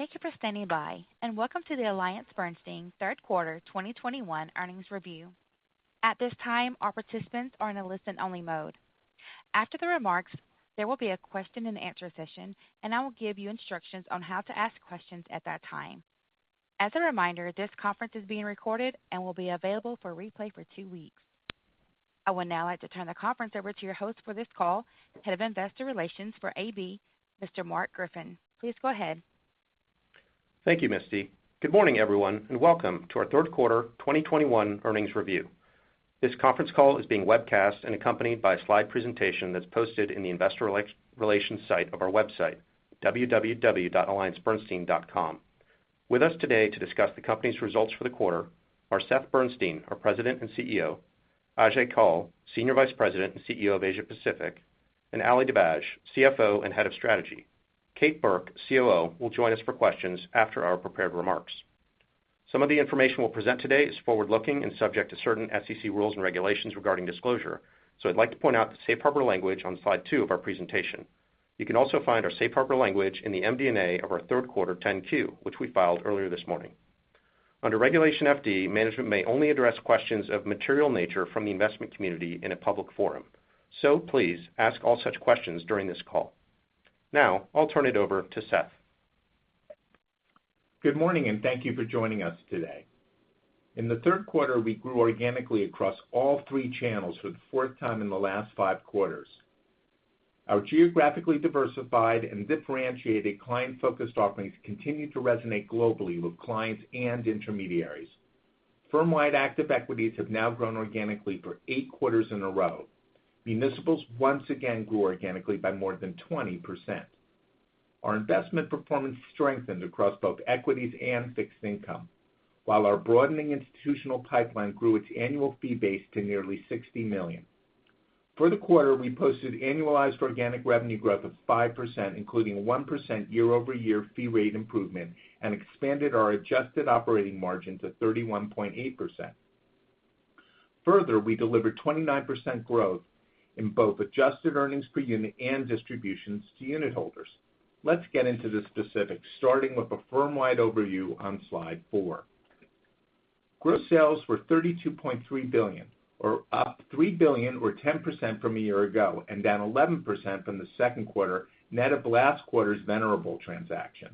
Thank you for standing by, and welcome to the AllianceBernstein third quarter 2021 earnings review. At this time, all participants are in a listen-only mode. After the remarks, there will be a question and answer session, and I will give you instructions on how to ask questions at that time. As a reminder, this conference is being recorded and will be available for replay for two weeks. I would now like to turn the conference over to your host for this call, Head of Investor Relations for AB, Mr. Mark Griffin. Please go ahead. Thank you, Misty. Good morning, everyone, and welcome to our third quarter 2021 earnings review. This conference call is being webcast and accompanied by a slide presentation that's posted in the investor relations site of our website, www.alliancebernstein.com. With us today to discuss the company's results for the quarter are Seth Bernstein, our President and CEO, Ajai Kaul, Senior Vice President and CEO of Asia Pacific, and Ali Dibadj, CFO and Head of Strategy. Kate Burke, COO, will join us for questions after our prepared remarks. Some of the information we'll present today is forward-looking and subject to certain SEC rules and regulations regarding disclosure, so I'd like to point out the safe harbor language on slide 2 of our presentation. You can also find our safe harbor language in the MD&A of our third quarter 10-Q, which we filed earlier this morning. Under Regulation FD, management may only address questions of material nature from the investment community in a public forum. Please ask all such questions during this call. Now, I'll turn it over to Seth. Good morning, and thank you for joining us today. In the third quarter, we grew organically across all three channels for the fourth time in the last five quarters. Our geographically diversified and differentiated client-focused offerings continued to resonate globally with clients and intermediaries. Firm-wide active equities have now grown organically for eight quarters in a row. Municipals once again grew organically by more than 20%. Our investment performance strengthened across both equities and fixed income, while our broadening institutional pipeline grew its annual fee base to nearly $60 million. For the quarter, we posted annualized organic revenue growth of 5%, including a 1% year-over-year fee rate improvement and expanded our adjusted operating margin to 31.8%. Further, we delivered 29% growth in both adjusted earnings per unit and distributions to unit holders. Let's get into the specifics, starting with a firm-wide overview on slide 4. Gross sales were $32.3 billion or up $3 billion or 10% from a year ago and down 11% from the second quarter, net of last quarter's Venerable transaction.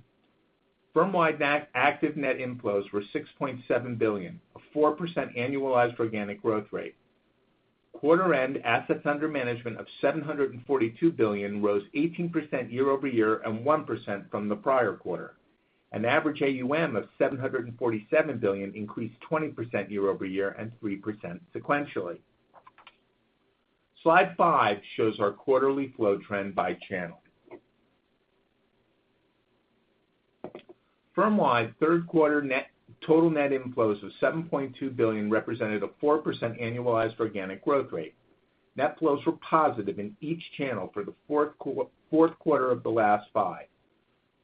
Firm-wide net active net inflows were $6.7 billion, a 4% annualized organic growth rate. Quarter end assets under management of $742 billion rose 18% year-over-year and 1% from the prior quarter. An average AUM of $747 billion increased 20% year-over-year and 3% sequentially. Slide 5 shows our quarterly flow trend by channel. Firm-wide third quarter total net inflows of $7.2 billion represented a 4% annualized organic growth rate. Net flows were positive in each channel for the fourth quarter of the last five.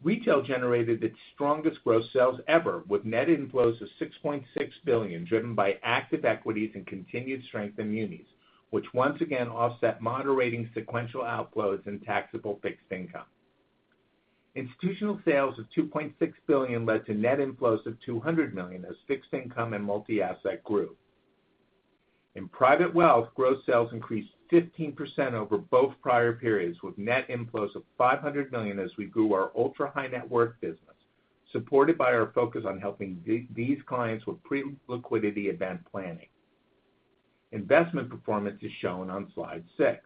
Retail generated its strongest gross sales ever with net inflows of $6.6 billion, driven by active equities and continued strength in munis, which once again offset moderating sequential outflows in taxable fixed income. Institutional sales of $2.6 billion led to net inflows of $200 million as fixed income and multi-asset grew. In private wealth, gross sales increased 15% over both prior periods, with net inflows of $500 million as we grew our ultra-high net worth business, supported by our focus on helping these clients with pre-liquidity event planning. Investment performance is shown on slide 6.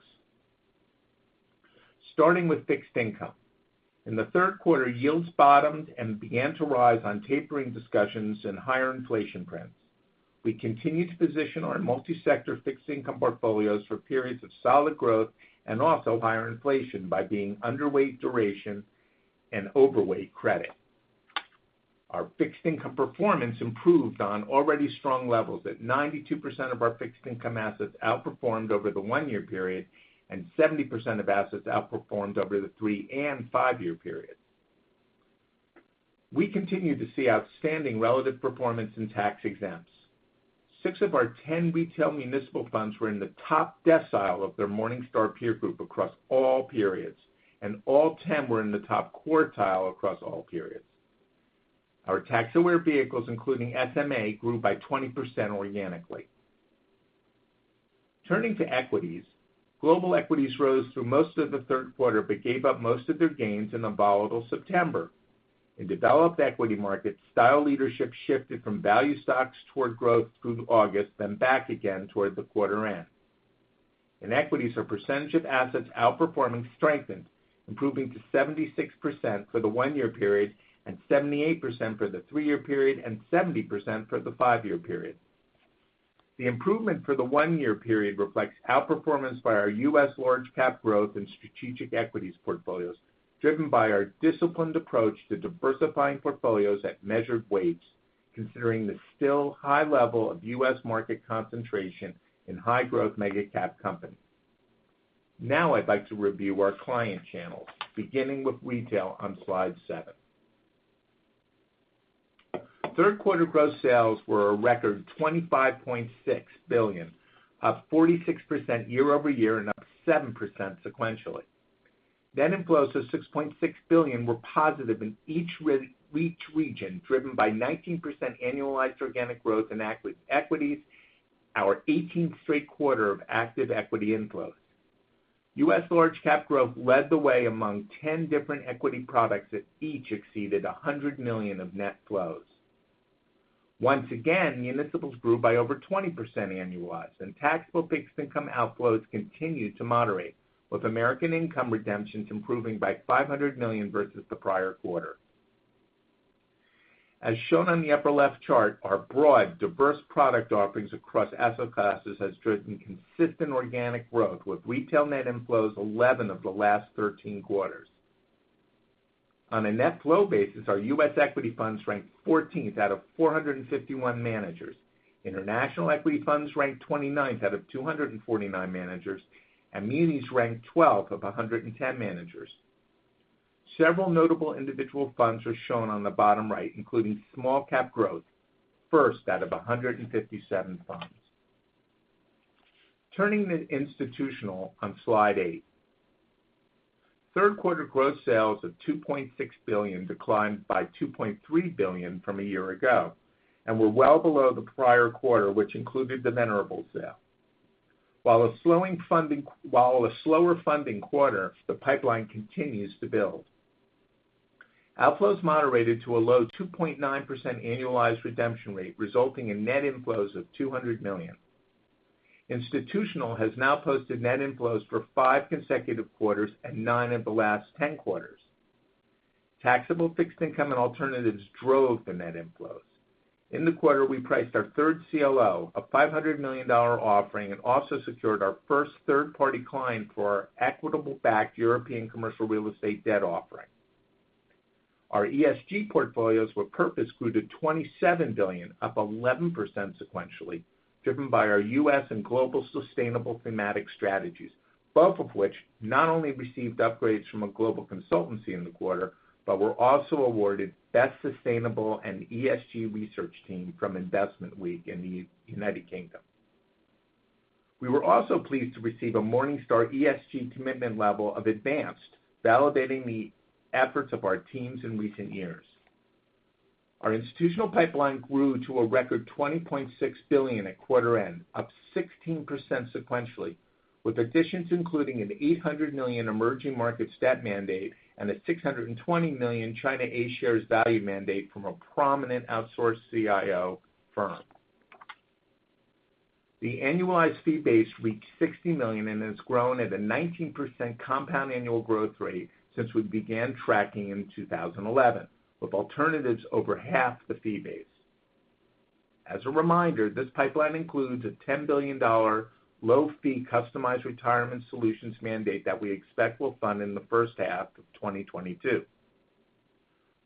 Starting with fixed income. In the third quarter, yields bottomed and began to rise on tapering discussions and higher inflation prints. We continued to position our multi-sector fixed income portfolios for periods of solid growth and also higher inflation by being underweight duration and overweight credit. Our fixed income performance improved on already strong levels at 92% of our fixed income assets outperformed over the one-year period, and 70% of assets outperformed over the three and five-year periods. We continued to see outstanding relative performance in tax exempts. Six of our 10 retail municipal funds were in the top decile of their Morningstar peer group across all periods, and all 10 were in the top quartile across all periods. Our tax-aware vehicles, including SMA, grew by 20% organically. Turning to equities. Global equities rose through most of the third quarter, but gave up most of their gains in a volatile September. In developed equity markets, style leadership shifted from value stocks toward growth through August, then back again toward the quarter end. In equities, our percentage of assets outperforming strengthened, improving to 76% for the one-year period and 78% for the three-year period and 70% for the five-year period. The improvement for the one-year period reflects outperformance by our U.S. Large Cap Growth and Strategic Equities portfolios, driven by our disciplined approach to diversifying portfolios at measured weights, considering the still high level of U.S. market concentration in high-growth mega-cap companies. Now, I'd like to review our client channels, beginning with retail on slide 7. Third quarter gross sales were a record $25.6 billion, up 46% year-over-year and up 7% sequentially. Net inflows of $6.6 billion were positive in each region, driven by 19% annualized organic growth in active equities, our 18th straight quarter of active equity inflows. U.S. Large Cap Growth led the way among 10 different equity products that each exceeded $100 million of net flows. Once again, municipals grew by over 20% annualized and taxable fixed income outflows continued to moderate, with American Income redemptions improving by $500 million versus the prior quarter. As shown on the upper left chart, our broad diverse product offerings across asset classes has driven consistent organic growth, with retail net inflows 11 of the last 13 quarters. On a net flow basis, our U.S. equity funds ranked 14th out of 451 managers. International equity funds ranked 29th out of 249 managers, and munis ranked 12th out of 110 managers. Several notable individual funds are shown on the bottom right, including Small Cap Growth, first out of 157 funds. Turning to institutional on slide 8. Third quarter gross sales of $2.6 billion declined by $2.3 billion from a year ago and were well below the prior quarter, which included the Venerable's sale. While a slower funding quarter, the pipeline continues to build. Outflows moderated to a low 2.9% annualized redemption rate, resulting in net inflows of $200 million. Institutional has now posted net inflows for five consecutive quarters and nine of the last 10 quarters. Taxable fixed income and alternatives drove the net inflows. In the quarter, we priced our third CLO, a $500 million offering, and also secured our first third-party client for our Equitable-backed European commercial real estate debt offering. Our ESG Portfolio with Purpose grew to $27 billion, up 11% sequentially, driven by our U.S. Sustainable Thematic and Global Sustainable Thematic strategies, both of which not only received upgrades from a global consultancy in the quarter, but were also awarded Best Sustainable and ESG Research Team from Investment Week in the United Kingdom. We were also pleased to receive a Morningstar ESG commitment level of advanced, validating the efforts of our teams in recent years. Our institutional pipeline grew to a record $20.6 billion at quarter end, up 16% sequentially, with additions including an $800 million emerging market stat mandate and a $620 million China A Shares value mandate from a prominent outsourced CIO firm. The annualized fee base reached $60 million and has grown at a 19% compound annual growth rate since we began tracking in 2011, with alternatives over half the fee base. As a reminder, this pipeline includes a $10 billion low fee customized retirement solutions mandate that we expect will fund in the first half of 2022.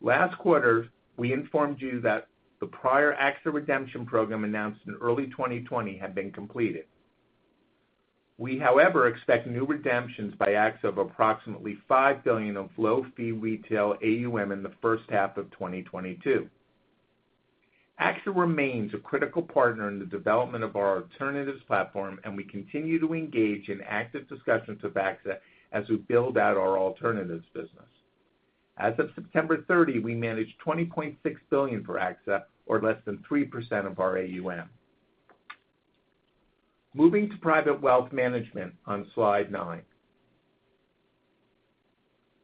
Last quarter, we informed you that the prior AXA redemption program announced in early 2020 had been completed. We, however, expect new redemptions by AXA of approximately $5 billion of low fee retail AUM in the first half of 2022. AXA remains a critical partner in the development of our alternatives platform, and we continue to engage in active discussions with AXA as we build out our alternatives business. As of September 30, we managed $20.6 billion for AXA, or less than 3% of our AUM. Moving to private wealth management on slide 9.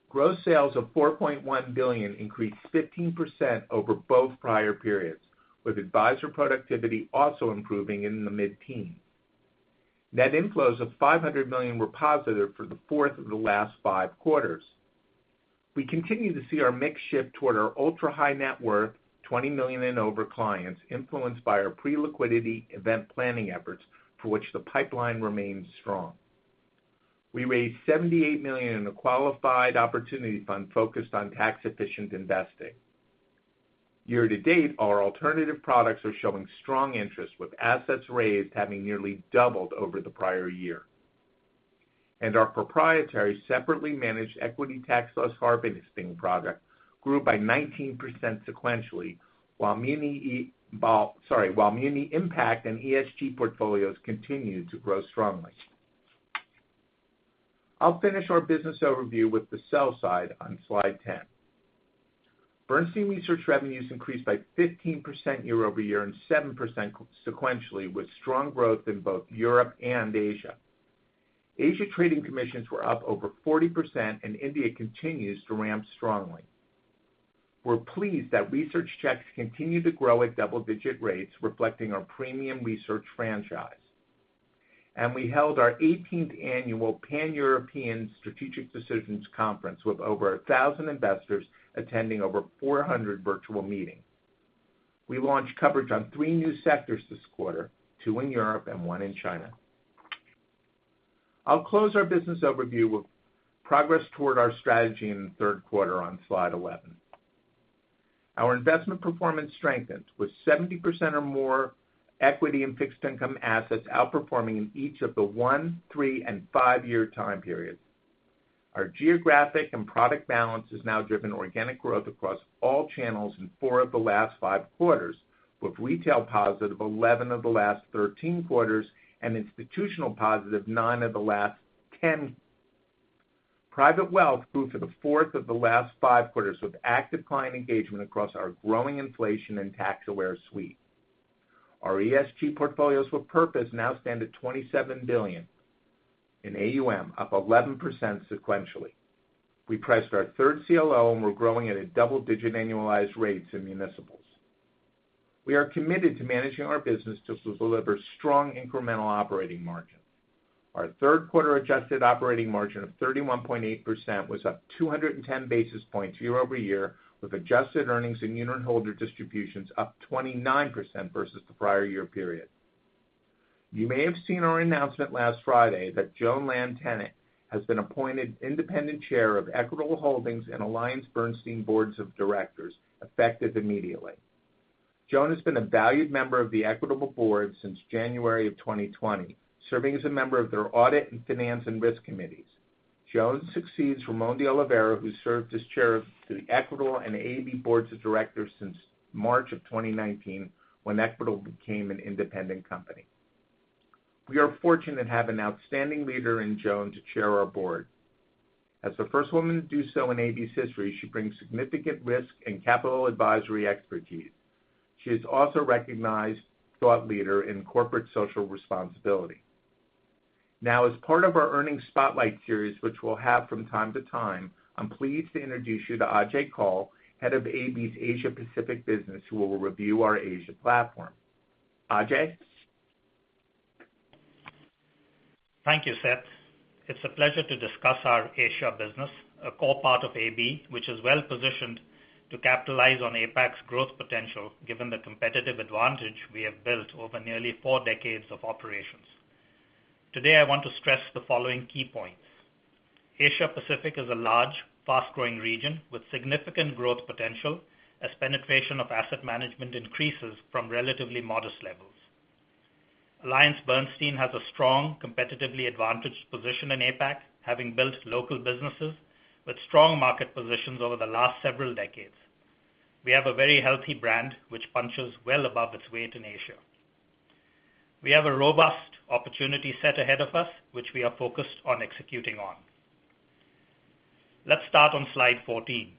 Gross sales of $4.1 billion increased 15% over both prior periods, with advisor productivity also improving in the mid-teens. Net inflows of $500 million were positive for the fourth of the last five quarters. We continue to see our mix shift toward our ultra-high net worth, $20 million and over clients, influenced by our pre-liquidity event planning efforts for which the pipeline remains strong. We raised $78 million in a Qualified Opportunity Fund focused on tax-efficient investing. Year-to-date, our alternative products are showing strong interest, with assets raised having nearly doubled over the prior year. Our proprietary separately managed equity tax loss harvesting product grew by 19% sequentially, while muni impact and ESG portfolios continued to grow strongly. I'll finish our business overview with the sell-side on slide 10. Bernstein Research revenues increased by 15% year-over-year and 7% sequentially, with strong growth in both Europe and Asia. Asia trading commissions were up over 40% and India continues to ramp strongly. We're pleased that research checks continue to grow at double-digit rates, reflecting our premium research franchise. We held our 18th annual Pan-European Strategic Decisions conference, with over 1,000 investors attending over 400 virtual meetings. We launched coverage on three new sectors this quarter, two in Europe and 1 in China. I'll close our business overview with progress toward our strategy in the third quarter on slide 11. Our investment performance strengthened, with 70% or more equity and fixed income assets outperforming in each of the one, three, and five-year time periods. Our geographic and product balance has now driven organic growth across all channels in four of the last five quarters, with retail positive 11 of the last 13 quarters and institutional positive nine of the last 10. Private wealth grew for the fourth of the last five quarters, with active client engagement across our growing inflation and tax-aware suite. Our ESG Portfolios with Purpose now stand at $27 billion in AUM, up 11% sequentially. We priced our third CLO, and we're growing at a double-digit annualized rates in municipals. We are committed to managing our business to deliver strong incremental operating margin. Our third quarter adjusted operating margin of 31.8% was up 210 basis points year-over-year, with adjusted earnings and unitholder distributions up 29% versus the prior year period. You may have seen our announcement last Friday that Joan Lamm-Tennant has been appointed Independent Chair of Equitable Holdings and AllianceBernstein Boards of Directors, effective immediately. Joan has been a valued member of the Equitable board since January 2020, serving as a member of their Audit and Finance and Risk committees. Joan succeeds Ramon de Oliveira, who served as chair of the Equitable and AB Boards of Directors since March 2019 when Equitable became an independent company. We are fortunate to have an outstanding leader in Joan to chair our board. As the first woman to do so in AB's history, she brings significant risk and capital advisory expertise. She is also a recognized thought leader in corporate social responsibility. Now, as part of our Earnings Spotlight series, which we'll have from time to time, I'm pleased to introduce you to Ajai Kaul, head of AB's Asia Pacific business, who will review our Asia platform. Ajai. Thank you, Seth. It's a pleasure to discuss our Asia business, a core part of AB, which is well-positioned to capitalize on APAC's growth potential, given the competitive advantage we have built over nearly four decades of operations. Today, I want to stress the following key points. Asia Pacific is a large, fast-growing region with significant growth potential as penetration of asset management increases from relatively modest levels. AllianceBernstein has a strong, competitively advantaged position in APAC, having built local businesses with strong market positions over the last several decades. We have a very healthy brand which punches well above its weight in Asia. We have a robust opportunity set ahead of us, which we are focused on executing on. Let's start on slide 14.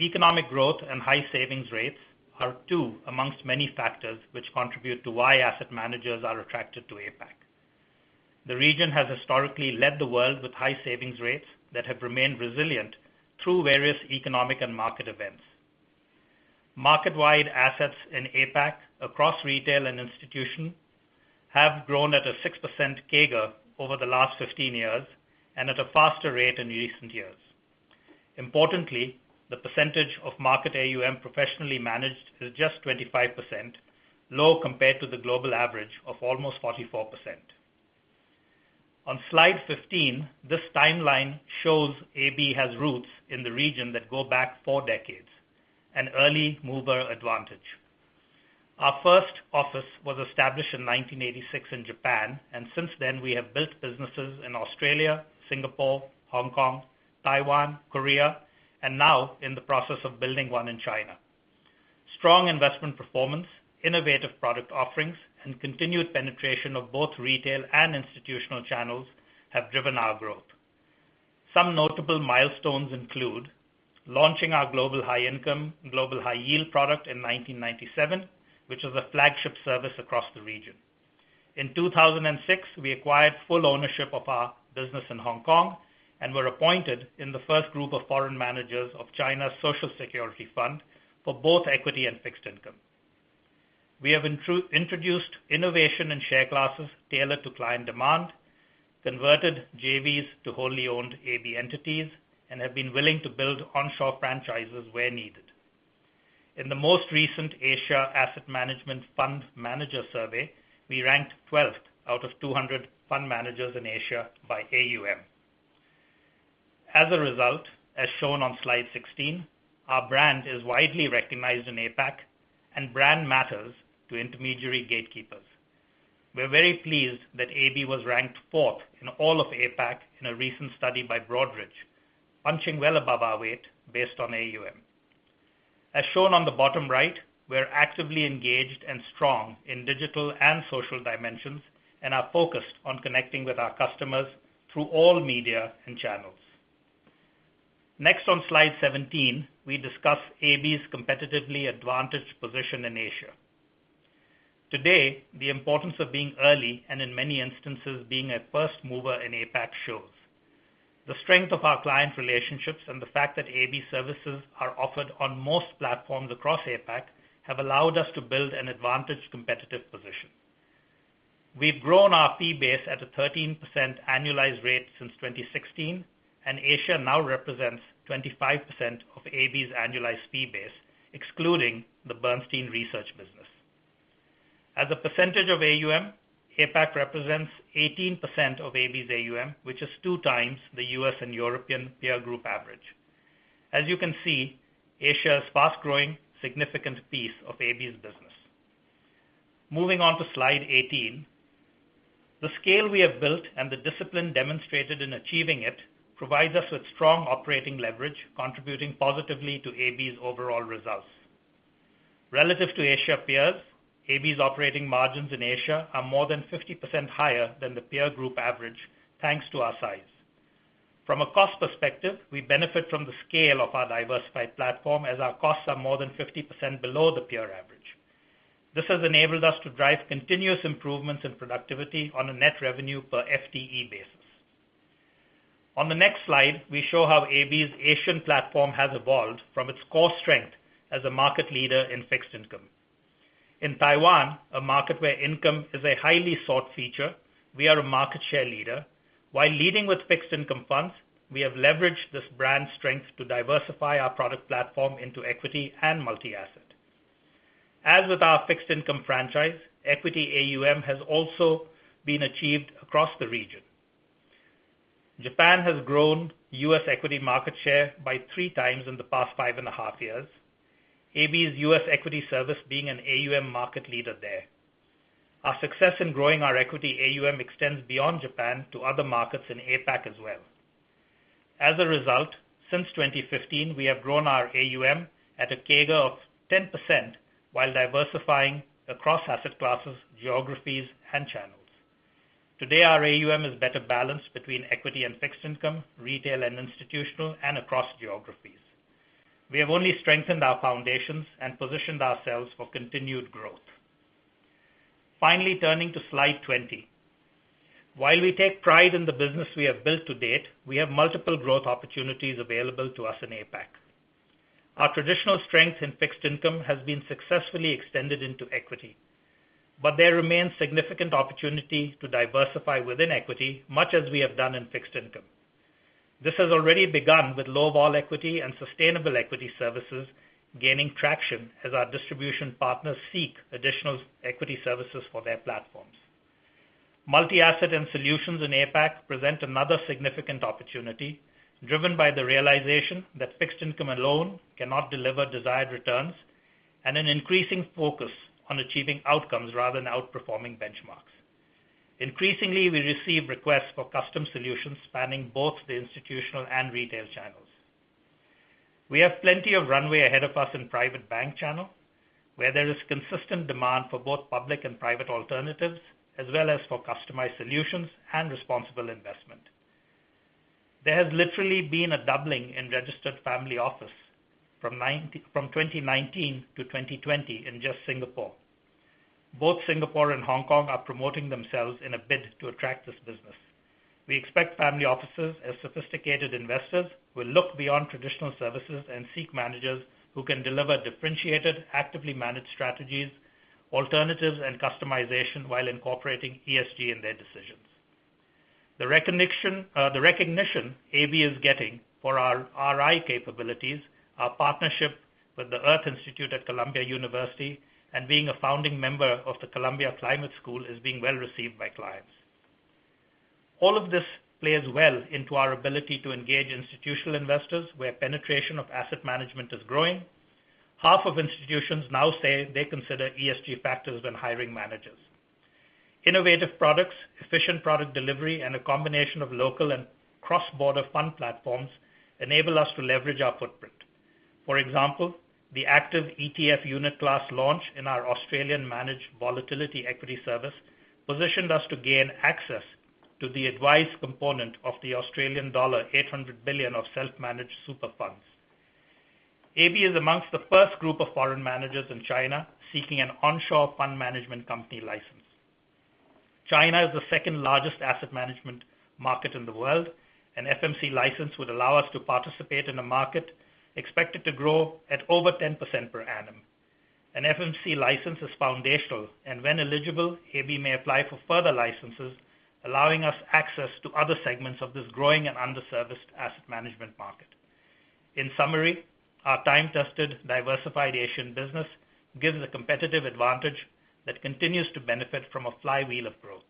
Economic growth and high savings rates are two among many factors which contribute to why asset managers are attracted to APAC. The region has historically led the world with high savings rates that have remained resilient through various economic and market events. Market-wide assets in APAC across retail and institutional have grown at a 6% CAGR over the last 15 years and at a faster rate in recent years. Importantly, the percentage of market AUM professionally managed is just 25%, low compared to the global average of almost 44%. On slide 15, this timeline shows AB has roots in the region that go back four decades, an early mover advantage. Our first office was established in 1986 in Japan, and since then, we have built businesses in Australia, Singapore, Hong Kong, Taiwan, Korea, and now in the process of building one in China. Strong investment performance, innovative product offerings, and continued penetration of both retail and institutional channels have driven our growth. Some notable milestones include launching our Global High Income, Global High Yield product in 1997, which is a flagship service across the region. In 2006, we acquired full ownership of our business in Hong Kong and were appointed in the first group of foreign managers of China's Social Security Fund for both equity and fixed income. We have introduced innovation and share classes tailored to client demand, converted JVs to wholly owned AB entities, and have been willing to build onshore franchises where needed. In the most recent Asia Asset Management Fund Manager Survey, we ranked 12th out of 200 fund managers in Asia by AUM. As a result, as shown on slide 16, our brand is widely recognized in APAC and brand matters to intermediary gatekeepers. We're very pleased that AB was ranked fourth in all of APAC in a recent study by Broadridge, punching well above our weight based on AUM. As shown on the bottom right, we are actively engaged and strong in digital and social dimensions and are focused on connecting with our customers through all media and channels. Next on slide 17, we discuss AB's competitively advantaged position in Asia. Today, the importance of being early, and in many instances, being a first mover in APAC shows. The strength of our client relationships and the fact that AB services are offered on most platforms across APAC have allowed us to build an advantaged competitive position. We've grown our fee base at a 13% annualized rate since 2016, and Asia now represents 25% of AB's annualized fee base, excluding the Bernstein Research business. As a percentage of AUM, APAC represents 18% of AB's AUM, which is two times the U.S. and European peer group average. As you can see, Asia is fast-growing, significant piece of AB's business. Moving on to slide 18. The scale we have built and the discipline demonstrated in achieving it provides us with strong operating leverage, contributing positively to AB's overall results. Relative to Asia peers, AB's operating margins in Asia are more than 50% higher than the peer group average, thanks to our size. From a cost perspective, we benefit from the scale of our diversified platform as our costs are more than 50% below the peer average. This has enabled us to drive continuous improvements in productivity on a net revenue per FTE basis. On the next slide, we show how AB's Asian platform has evolved from its core strength as a market leader in fixed income. In Taiwan, a market where income is a highly sought feature, we are a market share leader. While leading with fixed income funds, we have leveraged this brand strength to diversify our product platform into equity and multi-asset. As with our fixed income franchise, equity AUM has also been achieved across the region. Japan has grown U.S. equity market share by three times in the past five and a half years, AB's U.S. equity service being an AUM market leader there. Our success in growing our equity AUM extends beyond Japan to other markets in APAC as well. As a result, since 2015, we have grown our AUM at a CAGR of 10% while diversifying across asset classes, geographies, and channels. Today, our AUM is better balanced between equity and fixed income, retail and institutional, and across geographies. We have only strengthened our foundations and positioned ourselves for continued growth. Finally, turning to slide 20. While we take pride in the business we have built to date, we have multiple growth opportunities available to us in APAC. Our traditional strength in fixed income has been successfully extended into equity, but there remains significant opportunity to diversify within equity, much as we have done in fixed income. This has already begun with low vol equity and sustainable equity services gaining traction as our distribution partners seek additional equity services for their platforms. Multi-asset and solutions in APAC present another significant opportunity, driven by the realization that fixed income alone cannot deliver desired returns and an increasing focus on achieving outcomes rather than outperforming benchmarks. Increasingly, we receive requests for custom solutions spanning both the institutional and retail channels. We have plenty of runway ahead of us in private bank channel, where there is consistent demand for both public and private alternatives, as well as for customized solutions and responsible investment. There has literally been a doubling in registered family office from 2019 to 2020 in just Singapore. Both Singapore and Hong Kong are promoting themselves in a bid to attract this business. We expect family offices as sophisticated investors will look beyond traditional services and seek managers who can deliver differentiated, actively managed strategies, alternatives, and customization while incorporating ESG in their decisions. The recognition AB is getting for our RI capabilities, our partnership with the Earth Institute at Columbia University, and being a founding member of the Columbia Climate School is being well-received by clients. All of this plays well into our ability to engage institutional investors, where penetration of asset management is growing. Half of institutions now say they consider ESG factors when hiring managers. Innovative products, efficient product delivery, and a combination of local and cross-border fund platforms enable us to leverage our footprint. For example, the active ETF unit class launch in our Australian Managed Volatility Equity service positioned us to gain access to the advised component of the Australian dollar 800 billion of self-managed super funds. AB is among the first group of foreign managers in China seeking an onshore fund management company license. China is the second-largest asset management market in the world. An FMC license would allow us to participate in a market expected to grow at over 10% per annum. An FMC license is foundational, and when eligible, AB may apply for further licenses, allowing us access to other segments of this growing and underserviced asset management market. In summary, our time-tested, diversified Asian business gives a competitive advantage that continues to benefit from a flywheel of growth.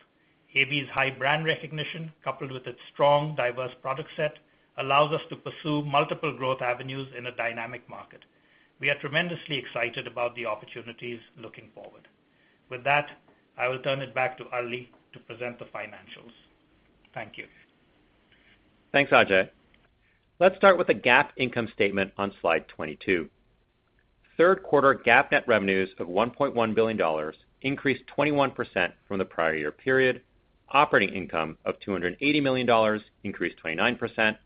AB's high brand recognition, coupled with its strong, diverse product set, allows us to pursue multiple growth avenues in a dynamic market. We are tremendously excited about the opportunities looking forward. With that, I will turn it back to Ali to present the financials. Thank you. Thanks, Ajai. Let's start with the GAAP income statement on slide 22. Third quarter GAAP net revenues of $1.1 billion increased 21% from the prior year period. Operating income of $280 million increased 29%.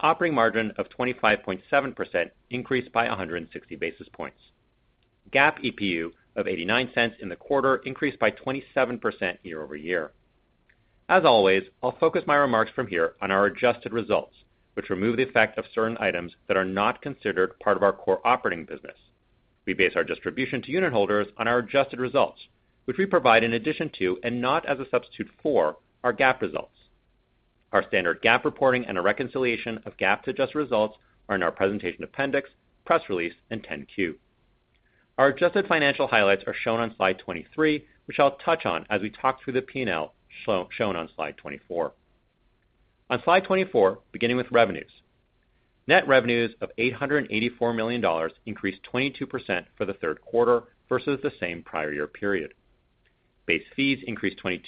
Operating margin of 25.7% increased by 160 basis points. GAAP EPU of $0.89 in the quarter increased by 27% year-over-year. As always, I'll focus my remarks from here on our adjusted results, which remove the effect of certain items that are not considered part of our core operating business. We base our distribution to unitholders on our adjusted results, which we provide in addition to, and not as a substitute for, our GAAP results. Our standard GAAP reporting and a reconciliation of GAAP to adjusted results are in our presentation appendix, press release, and 10-Q. Our adjusted financial highlights are shown on slide 23, which I'll touch on as we talk through the P&L shown on slide 24. On slide 24, beginning with revenues. Net revenues of $884 million increased 22% for the third quarter versus the same prior year period. Base fees increased 22%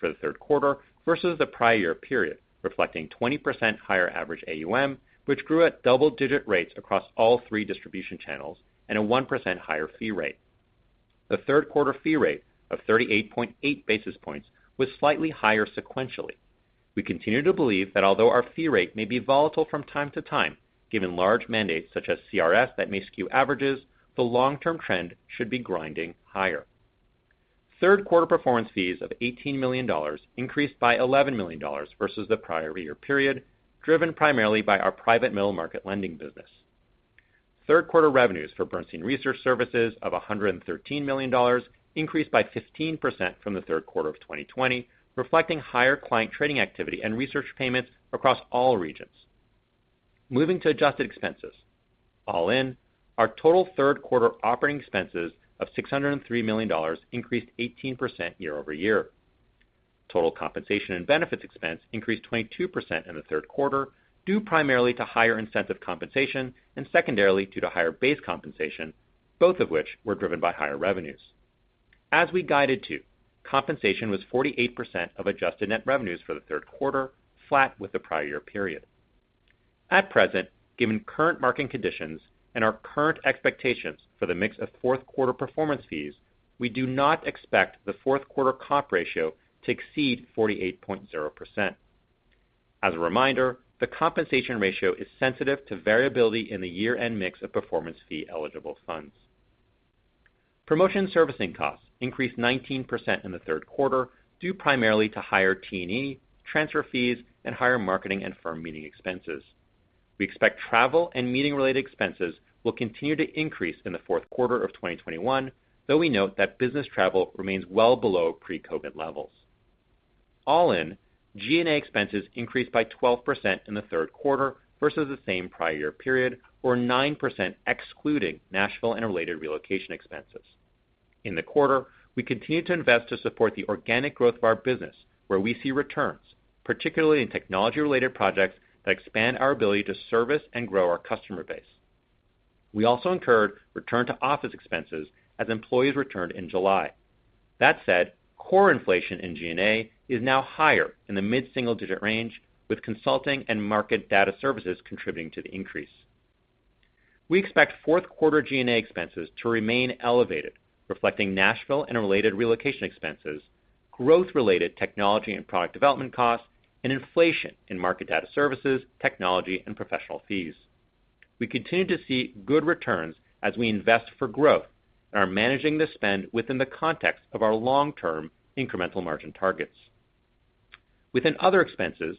for the third quarter versus the prior year period, reflecting 20% higher average AUM, which grew at double-digit rates across all three distribution channels and a 1% higher fee rate. The third quarter fee rate of 38.8 basis points was slightly higher sequentially. We continue to believe that although our fee rate may be volatile from time to time, given large mandates such as CRS that may skew averages, the long-term trend should be grinding higher. Third quarter performance fees of $18 million increased by $11 million versus the prior year period, driven primarily by our private middle market lending business. Third quarter revenues for Bernstein research services of $113 million increased 15% from the third quarter of 2020, reflecting higher client trading activity and research payments across all regions. Moving to adjusted expenses. All in, our total third quarter operating expenses of $603 million increased 18% year-over-year. Total compensation and benefits expense increased 22% in the third quarter, due primarily to higher incentive compensation and secondarily due to higher base compensation, both of which were driven by higher revenues. As we guided to, compensation was 48% of adjusted net revenues for the third quarter, flat with the prior year period. At present, given current market conditions and our current expectations for the mix of fourth quarter performance fees, we do not expect the fourth quarter comp ratio to exceed 48.0%. As a reminder, the compensation ratio is sensitive to variability in the year-end mix of performance fee eligible funds. Promotion servicing costs increased 19% in the third quarter, due primarily to higher T&E, transfer fees and higher marketing and firm meeting expenses. We expect travel and meeting-related expenses will continue to increase in the fourth quarter of 2021, though we note that business travel remains well below pre-COVID levels. All in, G&A expenses increased by 12% in the third quarter versus the same prior year period, or 9% excluding Nashville and related relocation expenses. In the quarter, we continued to invest to support the organic growth of our business where we see returns, particularly in technology-related projects that expand our ability to service and grow our customer base. We also incurred return to office expenses as employees returned in July. That said, core inflation in G&A is now higher in the mid-single digit range, with consulting and market data services contributing to the increase. We expect fourth quarter G&A expenses to remain elevated, reflecting Nashville and related relocation expenses, growth-related technology and product development costs, and inflation in market data services, technology, and professional fees. We continue to see good returns as we invest for growth and are managing the spend within the context of our long-term incremental margin targets. Within other expenses,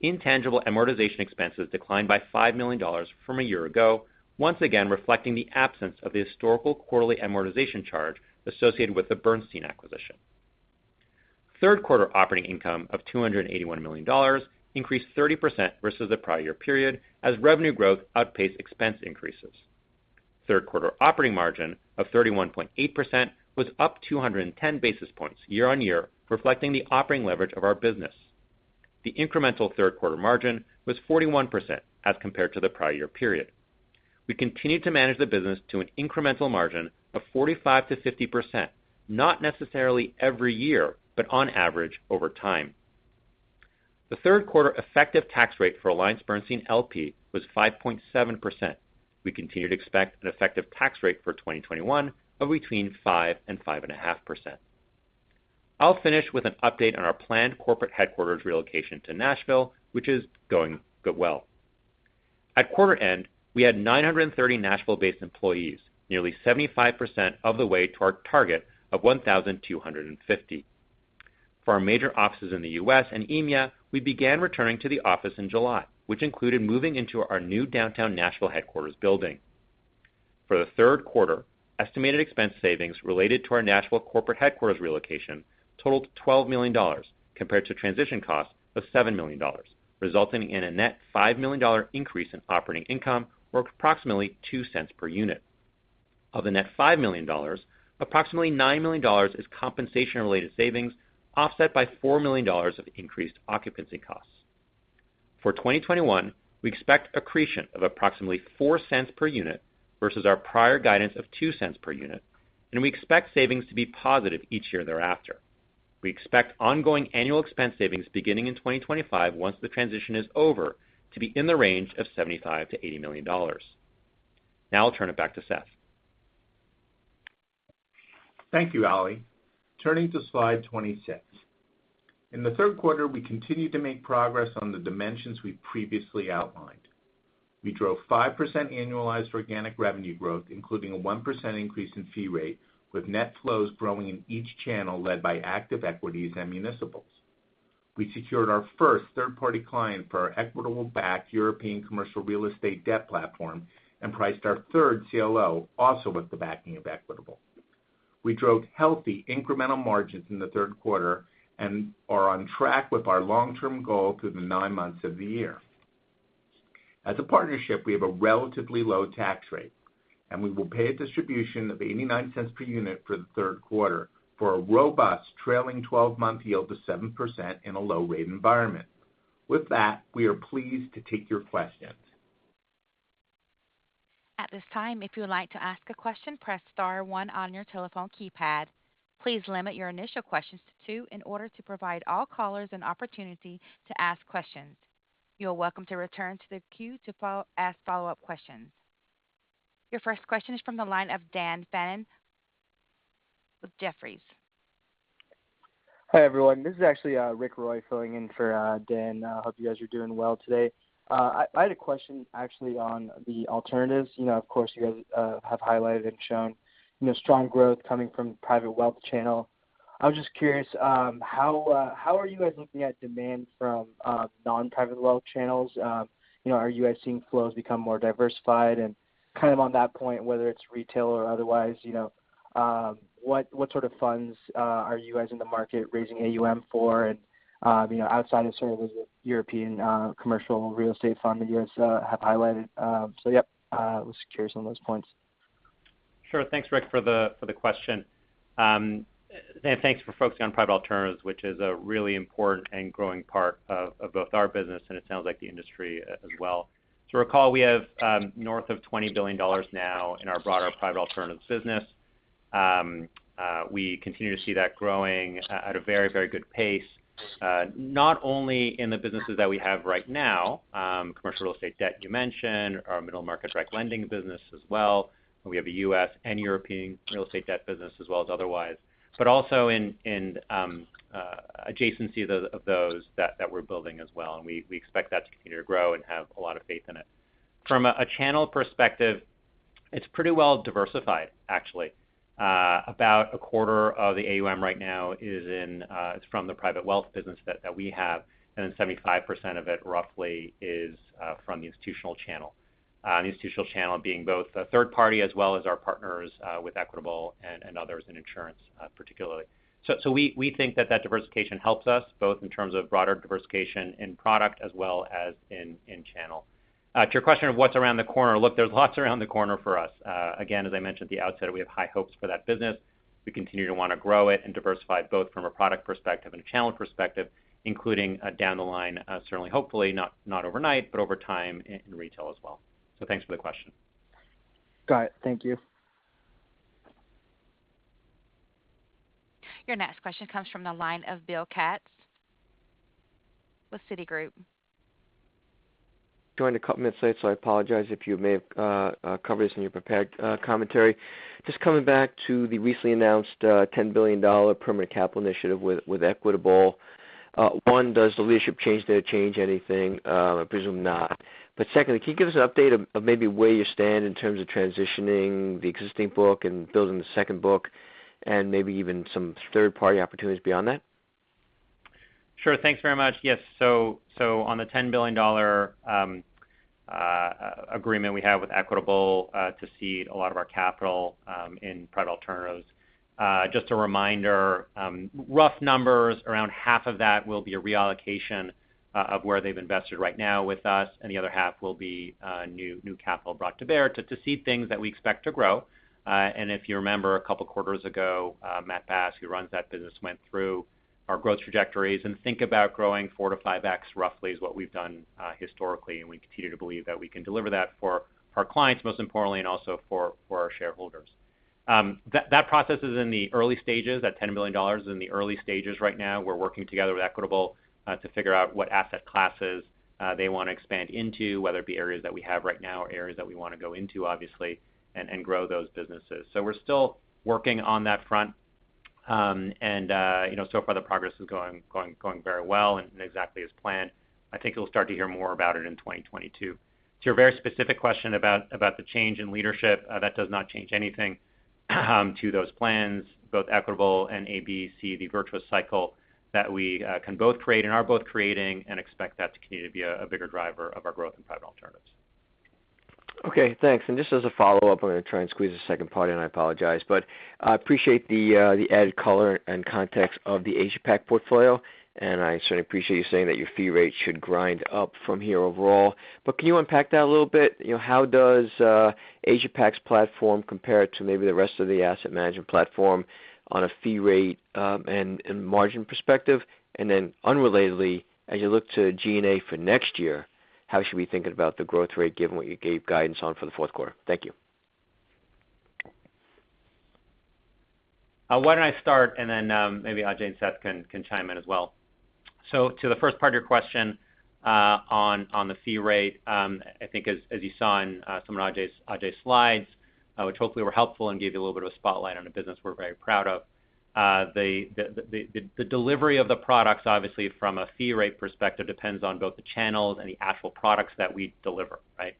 intangible amortization expenses declined by $5 million from a year ago, once again reflecting the absence of the historical quarterly amortization charge associated with the Bernstein acquisition. Third quarter operating income of $281 million increased 30% versus the prior year period as revenue growth outpaced expense increases. Third quarter operating margin of 31.8% was up 210 basis points year-over-year, reflecting the operating leverage of our business. The incremental third quarter margin was 41% as compared to the prior year period. We continue to manage the business to an incremental margin of 45%-50%, not necessarily every year, but on average over time. The third quarter effective tax rate for AllianceBernstein L.P. was 5.7%. We continue to expect an effective tax rate for 2021 of between 5% and 5.5%. I'll finish with an update on our planned corporate headquarters relocation to Nashville, which is going well. At quarter end, we had 930 Nashville-based employees, nearly 75% of the way to our target of 1,250. For our major offices in the U.S. and EMEA, we began returning to the office in July, which included moving into our new downtown Nashville headquarters building. For the third quarter, estimated expense savings related to our Nashville corporate headquarters relocation totaled $12 million compared to transition costs of $7 million, resulting in a net $5 million increase in operating income, or approximately $0.02 per unit. Of the net $5 million, approximately $9 million is compensation-related savings, offset by $4 million of increased occupancy costs. For 2021, we expect accretion of approximately $0.04 per unit versus our prior guidance of $0.02 per unit, and we expect savings to be positive each year thereafter. We expect ongoing annual expense savings beginning in 2025 once the transition is over to be in the range of $75 million-$80 million. Now, I'll turn it back to Seth. Thank you, Ali. Turning to slide 26. In the third quarter, we continued to make progress on the dimensions we previously outlined. We drove 5% annualized organic revenue growth, including a 1% increase in fee rate, with net flows growing in each channel led by active equities and municipals. We secured our first third-party client for our Equitable-backed European commercial real estate debt platform and priced our third CLO, also with the backing of Equitable. We drove healthy incremental margins in the third quarter and are on track with our long-term goal through the nine months of the year. As a partnership, we have a relatively low tax rate, and we will pay a distribution of $0.89 per unit for the third quarter for a robust trailing 12-month yield of 7% in a low rate environment. With that, we are pleased to take your questions. At this time, if you would like to ask a question, press star one on your telephone keypad. Please limit your initial questions to two in order to provide all callers an opportunity to ask questions. You're welcome to return to the queue to ask follow-up questions. Your first question is from the line of Dan Fannon with Jefferies. Hi, everyone. This is actually Rick Roy filling in for Dan Fannon. I hope you guys are doing well today. I had a question actually on the alternatives. You know, of course, you guys have highlighted and shown, you know, strong growth coming from private wealth channel. I was just curious, how are you guys looking at demand from non-private wealth channels? You know, are you guys seeing flows become more diversified? Kind of on that point, whether it's retail or otherwise, you know, what sort of funds are you guys in the market raising AUM for? And, you know, outside of sort of the European commercial real estate fund that you guys have highlighted. Yeah, was curious on those points. Sure. Thanks, Rick, for the question. Thanks for focusing on private alternatives, which is a really important and growing part of both our business and it sounds like the industry as well. To recall, we have north of $20 billion now in our broader private alternatives business. We continue to see that growing at a very, very good pace, not only in the businesses that we have right now, commercial real estate debt you mentioned, our middle market direct lending business as well, and we have a U.S. and European real estate debt business as well as otherwise. Also in adjacency of those that we're building as well, and we expect that to continue to grow and have a lot of faith in it. From a channel perspective, it's pretty well diversified, actually. About a quarter of the AUM right now is from the private wealth business that we have, and then 75% of it roughly is from the institutional channel. The institutional channel being both a third party as well as our partners with Equitable and others in insurance, particularly. We think that diversification helps us both in terms of broader diversification in product as well as in channel. To your question of what's around the corner, look, there's lots around the corner for us. Again, as I mentioned at the outset, we have high hopes for that business. We continue to wanna grow it and diversify it both from a product perspective and a channel perspective, including down the line, certainly hopefully, not overnight, but over time in retail as well. Thanks for the question. Got it. Thank you. Your next question comes from the line of Bill Katz with Citigroup. Joined a couple minutes late, so I apologize if you may have covered this in your prepared commentary. Just coming back to the recently announced $10 billion permanent capital initiative with Equitable. One, does the leadership change there change anything? I presume not. But secondly, can you give us an update on maybe where you stand in terms of transitioning the existing book and building the second book and maybe even some third-party opportunities beyond that? Sure. Thanks very much. Yes. On the $10 billion agreement we have with Equitable to cede a lot of our capital in private alternatives. Just a reminder, rough numbers, around half of that will be a reallocation of where they've invested right now with us, and the other half will be new capital brought to bear to cede things that we expect to grow. If you remember a couple quarters ago, Matt Bass, who runs that business, went through our growth trajectories, and think about growing four to five times roughly is what we've done historically, and we continue to believe that we can deliver that for our clients, most importantly, and also for our shareholders. That process is in the early stages. That $10 billion is in the early stages right now. We're working together with Equitable to figure out what asset classes they wanna expand into, whether it be areas that we have right now or areas that we wanna go into, obviously, and grow those businesses. We're still working on that front. You know, so far the progress is going very well and exactly as planned. I think you'll start to hear more about it in 2022. To your very specific question about the change in leadership, that does not change anything to those plans, both Equitable and AB, see the virtuous cycle that we can both create and are both creating and expect that to continue to be a bigger driver of our growth in private alternatives. Okay, thanks. Just as a follow-up, I'm gonna try and squeeze a second part in. I apologize, but I appreciate the added color and context of the Asia-Pac portfolio, and I certainly appreciate you saying that your fee rate should grind up from here overall. Can you unpack that a little bit? You know, how does Asia-Pac's platform compare to maybe the rest of the asset management platform on a fee rate and margin perspective? Then unrelatedly, as you look to G&A for next year, how should we think about the growth rate given what you gave guidance on for the fourth quarter? Thank you. Why don't I start and then maybe Ajai and Seth can chime in as well. To the first part of your question, on the fee rate, I think as you saw in some of Ajai's slides, which hopefully were helpful and gave you a little bit of a spotlight on a business we're very proud of, the delivery of the products, obviously, from a fee rate perspective depends on both the channels and the actual products that we deliver, right?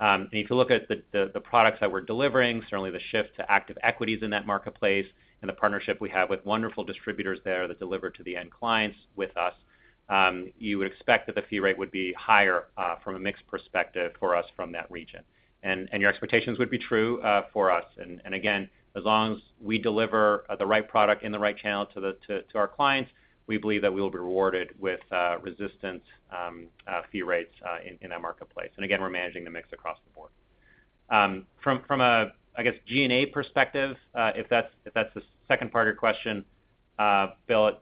If you look at the products that we're delivering, certainly the shift to active equities in that marketplace and the partnership we have with wonderful distributors there that deliver to the end clients with us, you would expect that the fee rate would be higher from a mix perspective for us from that region. Your expectations would be true for us. Again, as long as we deliver the right product in the right channel to our clients, we believe that we will be rewarded with resilient fee rates in that marketplace. Again, we're managing the mix across the board. From a G&A perspective, I guess, if that's the second part of your question, Bill,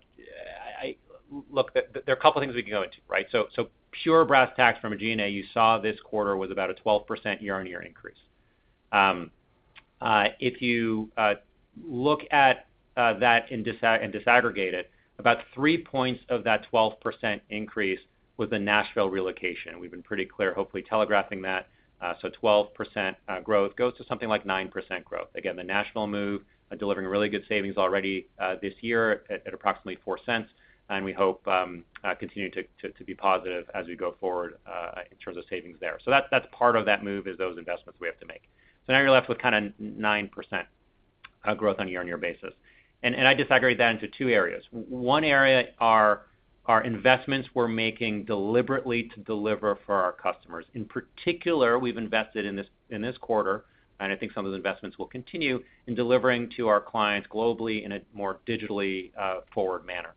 look, there are a couple things we can go into, right? Pure brass tacks from a G&A, you saw this quarter was about a 12% year on year increase. If you look at that and disaggregate it, about 3 points of that 12% increase was the Nashville relocation. We've been pretty clear, hopefully telegraphing that. 12% growth goes to something like 9% growth. Again, the Nashville move delivering really good savings already this year at approximately $0.04, and we hope continue to be positive as we go forward in terms of savings there. That's part of that move is those investments we have to make. Now you're left with kind of 9% growth on a year on year basis. I disaggregate that into two areas. One area are our investments we're making deliberately to deliver for our customers. In particular, we've invested in this quarter, and I think some of the investments will continue, in delivering to our clients globally in a more digitally forward manner.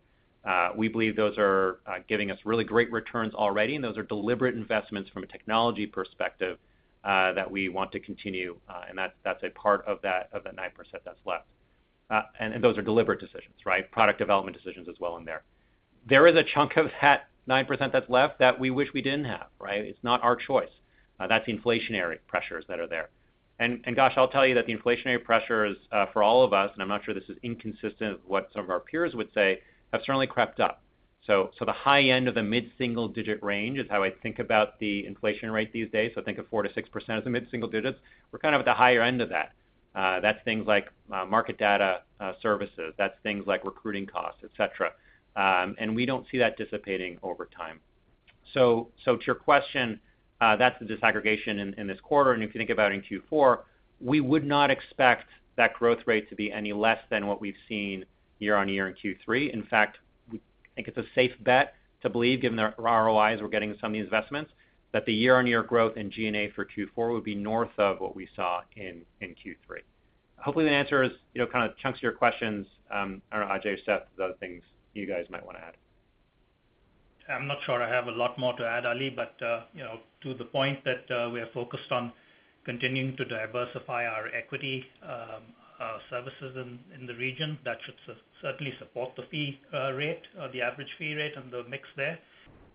We believe those are giving us really great returns already, and those are deliberate investments from a technology perspective that we want to continue, and that's a part of that 9% that's left. Those are deliberate decisions, right? Product development decisions as well in there. There is a chunk of that 9% that's left that we wish we didn't have, right? It's not our choice. That's inflationary pressures that are there. Bill, I'll tell you that the inflationary pressures for all of us, and I'm not sure this is inconsistent with what some of our peers would say, have certainly crept up. The high end of the mid-single-digit range is how I think about the inflation rate these days. Think of 4%-6% as the mid-single digits. We're kind of at the higher end of that. That's things like market data services. That's things like recruiting costs, et cetera. We don't see that dissipating over time. To your question, that's the disaggregation in this quarter. If you think about in Q4, we would not expect that growth rate to be any less than what we've seen year on year in Q3. In fact, we think it's a safe bet to believe, given the ROIs we're getting on some of the investments, that the year on year growth in G&A for Q4 would be north of what we saw in Q3. Hopefully, the answer is, you know, kind of chunks your questions. I don't know, Ajai, Seth, other things you guys might want to add. I'm not sure I have a lot more to add, Ali, but you know, to the point that we are focused on continuing to diversify our equity services in the region, that should certainly support the fee rate or the average fee rate and the mix there.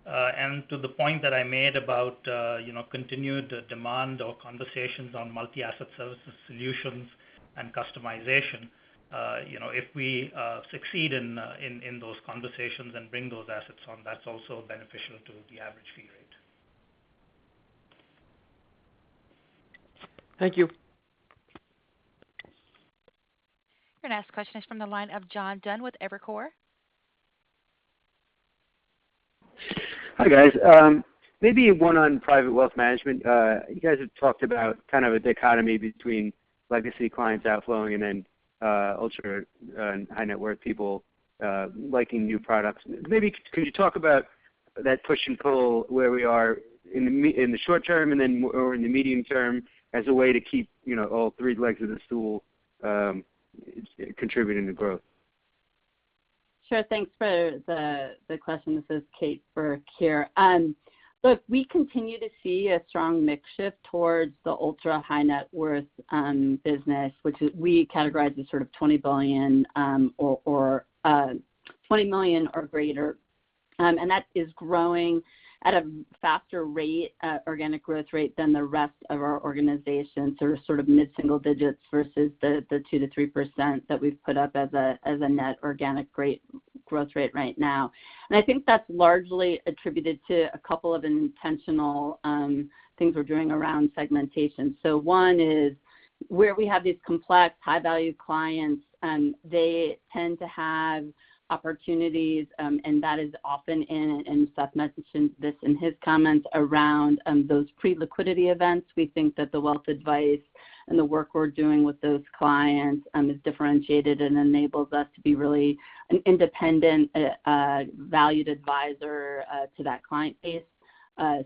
To the point that I made about you know, continued demand or conversations on multi-asset services solutions and customization, you know, if we succeed in those conversations and bring those assets on, that's also beneficial to the average fee rate. Thank you. Your next question is from the line of John Dunn with Evercore ISI. Hi, guys. Maybe one on private wealth management. You guys have talked about kind of a dichotomy between legacy clients outflowing and then, ultra and high net worth people, liking new products. Maybe could you talk about that push and pull where we are in the short term and then or in the medium term as a way to keep, you know, all three legs of the stool, contributing to growth. Sure. Thanks for the question. This is Kate Burke here. Look, we continue to see a strong mix shift towards the ultra high net worth business, which is we categorize as sort of 20 billion or 20 million or greater. That is growing at a faster rate, organic growth rate than the rest of our organization, sort of mid-single digits versus the 2%-3% that we've put up as a net organic rate, growth rate right now. I think that's largely attributed to a couple of intentional things we're doing around segmentation. One is where we have these complex high-value clients, they tend to have opportunities, and that is often in, and Seth mentioned this in his comments around those pre-liquidity events. We think that the wealth advice and the work we're doing with those clients is differentiated and enables us to be really an independent valued advisor to that client base.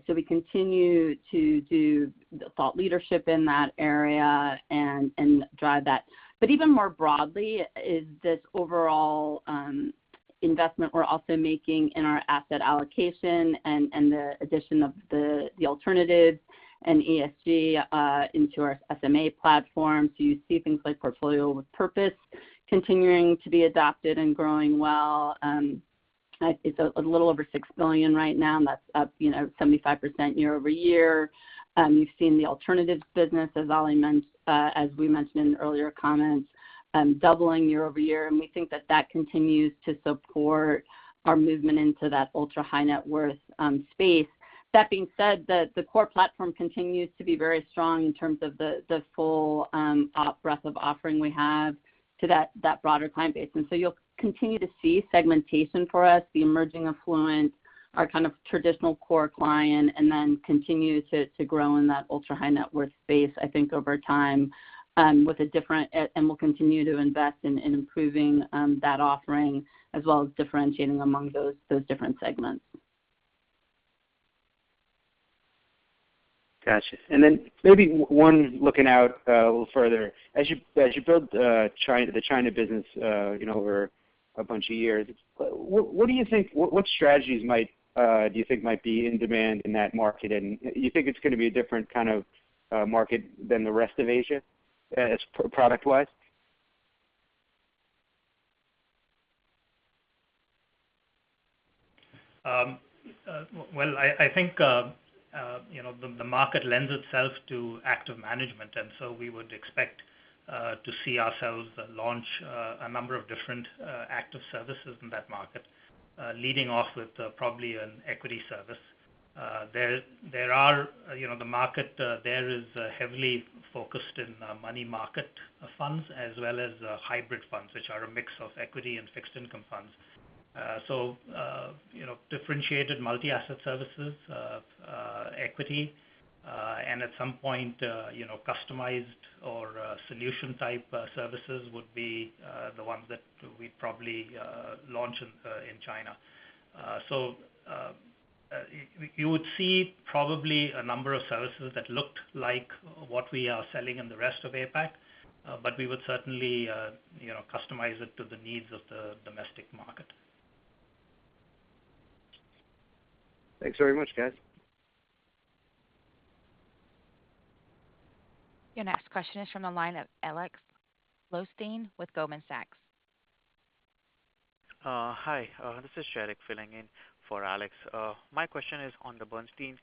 We continue to do thought leadership in that area and drive that. Even more broadly is this overall investment we're also making in our asset allocation and the addition of the alternatives and ESG into our SMA platform. You see things like Portfolio with Purpose continuing to be adopted and growing well. It's a little over $6 billion right now, and that's up, you know, 75% year-over-year. You've seen the alternatives business, as Ali mentioned, as we mentioned in earlier comments, doubling year-over-year. We think that continues to support our movement into that ultra high net worth space. That being said, the core platform continues to be very strong in terms of the full breadth of offering we have to that broader client base. You'll continue to see segmentation for us, the emerging affluent, our kind of traditional core client, and then continue to grow in that ultra high net worth space, I think over time, and we'll continue to invest in improving that offering as well as differentiating among those different segments. Gotcha. Maybe one looking out a little further. As you build the China business, you know, over a bunch of years, what strategies do you think might be in demand in that market? Do you think it's gonna be a different kind of market than the rest of Asia as product-wise? Well, I think, you know, the market lends itself to active management, and we would expect to see ourselves launch a number of different active services in that market, leading off with probably an equity service. You know, the market there is heavily focused in money market funds as well as hybrid funds, which are a mix of equity and fixed income funds. You know, differentiated multi-asset services, equity, and at some point, you know, customized or solution-type services would be the ones that we'd probably launch in China. You would see probably a number of services that looked like what we are selling in the rest of APAC, but we would certainly, you know, customize it to the needs of the domestic market. Thanks very much, guys. Your next question is from the line of Alex Blostein with Goldman Sachs. Hi. This is Sheriq Sumar filling in for Alex. My question is on the Bernstein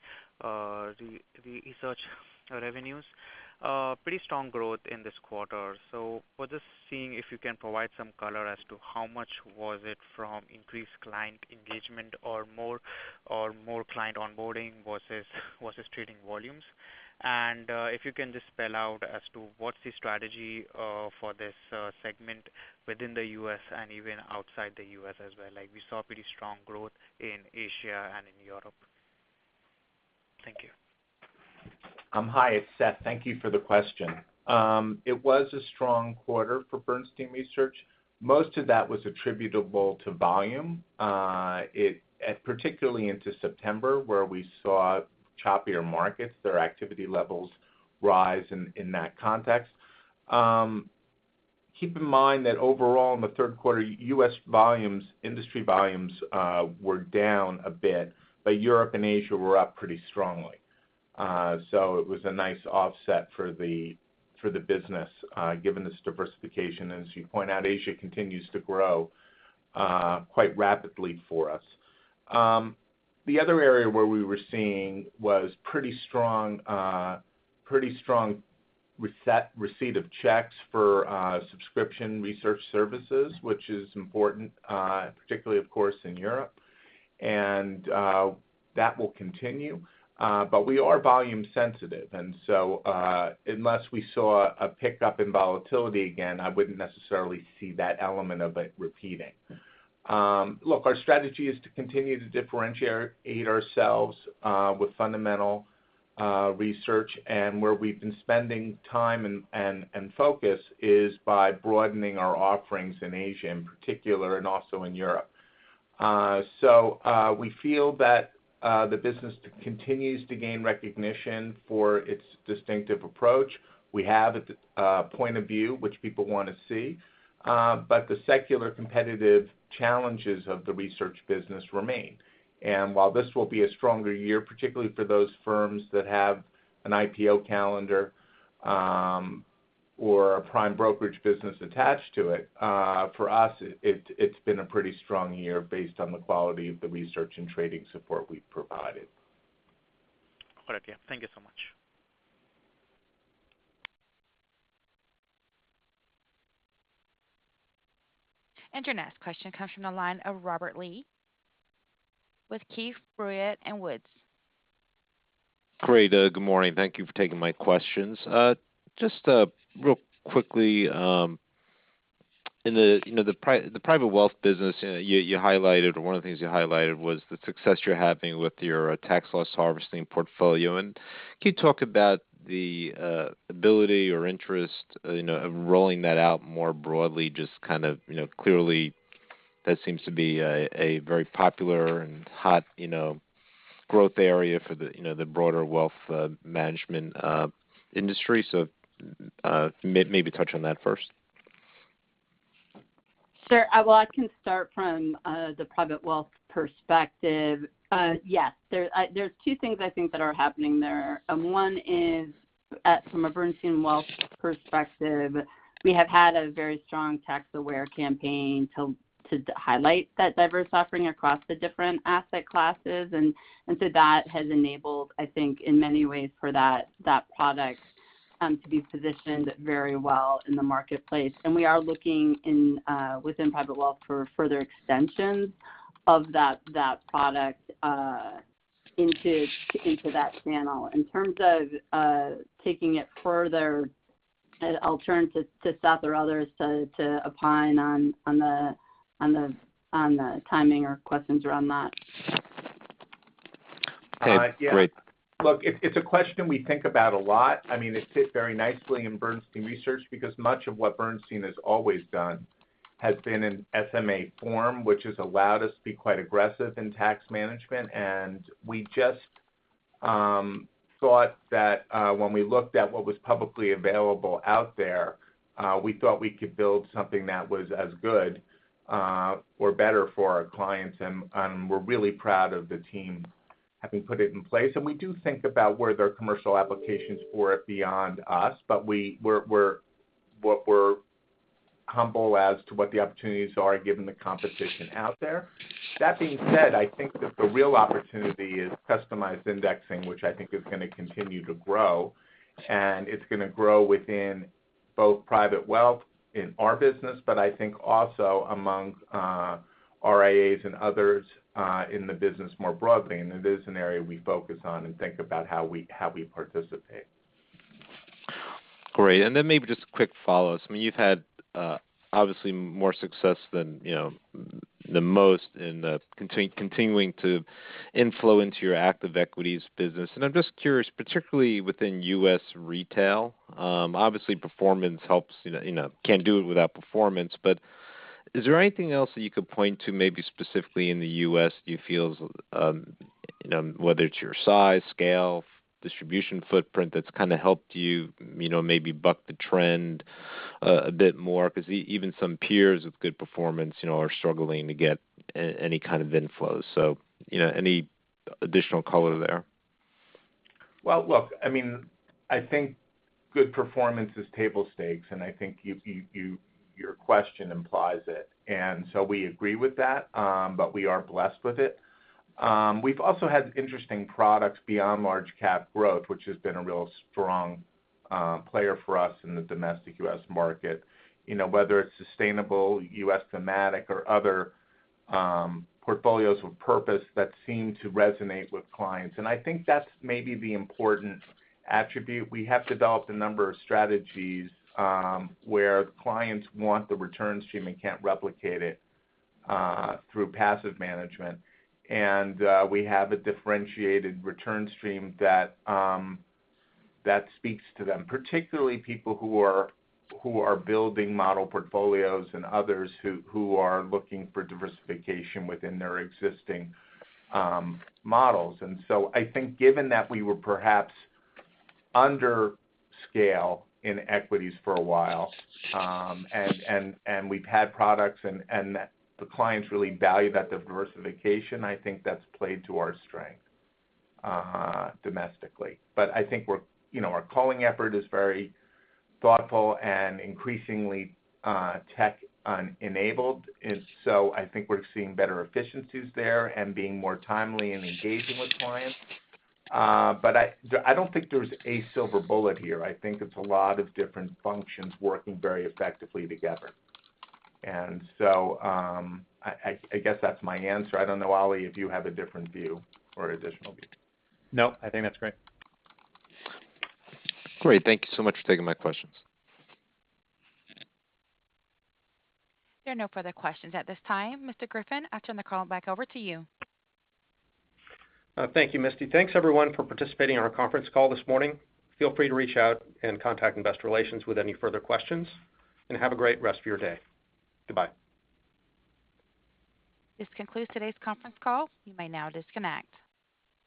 research revenues. Pretty strong growth in this quarter. I was just seeing if you can provide some color as to how much was it from increased client engagement or more client onboarding versus trading volumes. If you can just spell out as to what's the strategy for this segment within the U.S. and even outside the U.S. as well. Like, we saw pretty strong growth in Asia and in Europe. Thank you. Hi. It's Seth. Thank you for the question. It was a strong quarter for Bernstein Research. Most of that was attributable to volume particularly into September, where we saw choppier markets, their activity levels rise in that context. Keep in mind that overall in the third quarter, U.S. volumes, industry volumes, were down a bit, but Europe and Asia were up pretty strongly. It was a nice offset for the business, given this diversification. As you point out, Asia continues to grow quite rapidly for us. The other area where we were seeing pretty strong receipt of checks for subscription research services, which is important, particularly of course, in Europe. That will continue. We are volume sensitive. Unless we saw a pick-up in volatility again, I wouldn't necessarily see that element of it repeating. Our strategy is to continue to differentiate ourselves with fundamental research. Where we've been spending time and focus is by broadening our offerings in Asia in particular, and also in Europe. We feel that the business continues to gain recognition for its distinctive approach. We have a point of view which people wanna see. The secular competitive challenges of the research business remain. While this will be a stronger year, particularly for those firms that have an IPO calendar, or a prime brokerage business attached to it, for us, it's been a pretty strong year based on the quality of the research and trading support we've provided. Correct, yeah. Thank you so much. Your next question comes from the line of Robert Lee with Keefe, Bruyette & Woods. Great. Good morning. Thank you for taking my questions. Just real quickly, in the, you know, the private wealth business, you highlighted or one of the things you highlighted was the success you're having with your tax loss harvesting portfolio. Can you talk about the ability or interest, you know, of rolling that out more broadly, just kind of, you know, clearly that seems to be a very popular and hot, you know, growth area for the, you know, the broader wealth management industry. Maybe touch on that first. Sure. Well, I can start from the private wealth perspective. Yes, there's two things I think that are happening there. One is from a Bernstein wealth perspective, we have had a very strong tax-aware campaign to highlight that diverse offering across the different asset classes. That has enabled, I think, in many ways for that product to be positioned very well in the marketplace. We are looking within private wealth for further extensions of that product into that channel. In terms of taking it further, I'll turn to Seth or others to opine on the timing or questions around that. Yeah. Great. Look, it's a question we think about a lot. I mean, it fit very nicely in Bernstein Research because much of what Bernstein has always done has been in SMA form, which has allowed us to be quite aggressive in tax management. We just thought that when we looked at what was publicly available out there, we thought we could build something that was as good or better for our clients. We're really proud of the team having put it in place, and we do think about where there are commercial applications for it beyond us, but we're humble as to what the opportunities are given the competition out there. That being said, I think that the real opportunity is customized indexing, which I think is gonna continue to grow, and it's gonna grow within both private wealth in our business, but I think also amongst RIAs and others in the business more broadly. It is an area we focus on and think about how we participate. Great. Maybe just quick follow. I mean, you've had obviously more success than most in continuing to inflow into your active equities business. I'm just curious, particularly within U.S. retail, obviously, performance helps, you know, can't do it without performance. But is there anything else that you could point to maybe specifically in the U.S. you feel, you know, whether it's your size, scale, distribution footprint that's kinda helped you know, maybe buck the trend a bit more? Because even some peers with good performance, you know, are struggling to get any kind of inflows. You know, any additional color there? Well, look, I mean, I think good performance is table stakes, and I think your question implies it. We agree with that, but we are blessed with it. We've also had interesting products beyond large cap growth, which has been a real strong player for us in the domestic U.S. market, you know, whether it's sustainable US thematic or other portfolios with purpose that seem to resonate with clients. I think that's maybe the important attribute. We have developed a number of strategies where clients want the return stream and can't replicate it through passive management. We have a differentiated return stream that speaks to them, particularly people who are building model portfolios and others who are looking for diversification within their existing models. I think given that we were perhaps under scale in equities for a while, and we've had products and the clients really value that diversification, I think that's played to our strength, domestically. But I think we're, you know, our calling effort is very thoughtful and increasingly tech-enabled. I think we're seeing better efficiencies there and being more timely in engaging with clients. But I don't think there's a silver bullet here. I think it's a lot of different functions working very effectively together. I guess that's my answer. I don't know, Ollie, if you have a different view or additional view. No, I think that's great. Great. Thank you so much for taking my questions. There are no further questions at this time. Mr. Griffin, I turn the call back over to you. Thank you, Misty. Thanks everyone for participating in our conference call this morning. Feel free to reach out and contact Investor Relations with any further questions, and have a great rest of your day. Goodbye. This concludes today's conference call. You may now disconnect.